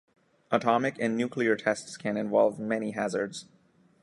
Atomic and nuclear tests can involve many hazards.